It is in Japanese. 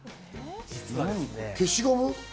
消しゴム？